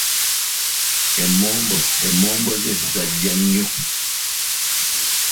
Emmombo ze zajja nnyo.